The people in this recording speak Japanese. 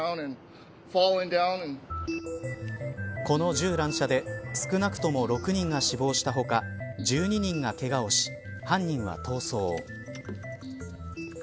この銃乱射で少なくとも６人が死亡した他１２人がけがをし犯人は逃走。